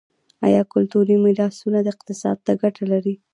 آیا کلتوري میراثونه اقتصاد ته ګټه لري؟